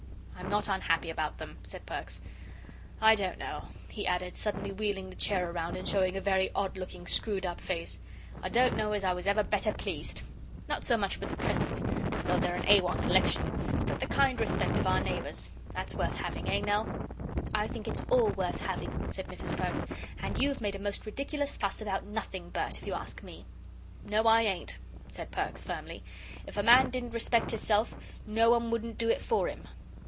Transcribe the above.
"I'm not unhappy about them," said Perks; "I don't know," he added, suddenly wheeling the chair round and showing a very odd looking screwed up face, "I don't know as ever I was better pleased. Not so much with the presents though they're an A1 collection but the kind respect of our neighbours. That's worth having, eh, Nell?" "I think it's all worth having," said Mrs. Perks, "and you've made a most ridiculous fuss about nothing, Bert, if you ask me." "No, I ain't," said Perks, firmly; "if a man didn't respect hisself, no one wouldn't do it for him."